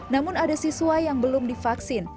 namun ada siswa yang belum divaksin